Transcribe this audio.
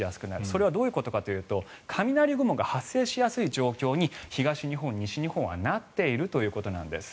それはどういうことかというと雷雲が発生しやすい状況に東日本、西日本はなっているということなんです。